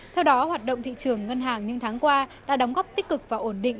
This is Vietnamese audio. theo đó hoạt động thị trường ngân hàng những tháng qua đã đóng góp tích cực và ổn định